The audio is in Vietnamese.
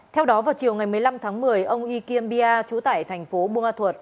theo đó vào chiều ngày một mươi năm tháng một mươi ông y kim bia chú tại thành phố buôn mơ thuật